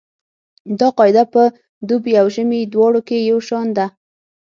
دا قاعده په دوبي او ژمي دواړو کې یو شان ده